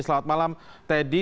selamat malam teddy